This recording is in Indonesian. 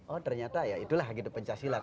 oh ternyata ya itulah gitu penca silat